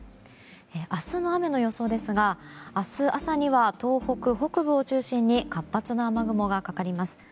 明日の雨の予想ですが明日朝には東北北部を中心に活発な雨雲がかかります。